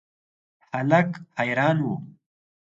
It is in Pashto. هلک حیران و.